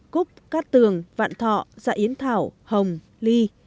cúp cát tường vạn thọ dạ yến thảo hồng ly